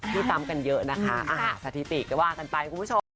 ที่ซ้ำกันเยอะนะคะสถิติก็ว่ากันไปคุณผู้ชม